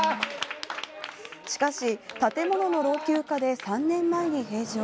しかし、建物の老朽化で３年前に閉場。